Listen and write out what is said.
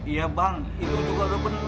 iya bang itu juga udah benar bang